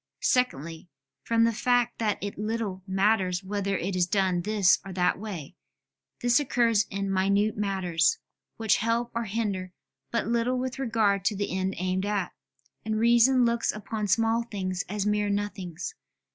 Secondly, from the fact that it little matters whether it is done this or that way; this occurs in minute matters, which help or hinder but little with regard to the end aimed at; and reason looks upon small things as mere nothings.